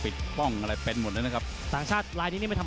จอกยางเลย